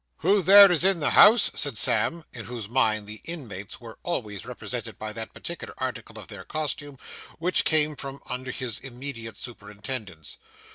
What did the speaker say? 'Who there is in the house!' said Sam, in whose mind the inmates were always represented by that particular article of their costume, which came under his immediate superintendence.